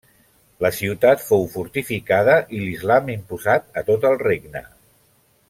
La ciutat fou fortificada i l'islam imposat a tot el regne.